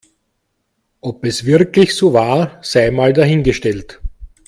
Ob es wirklich so war, sei mal dahingestellt.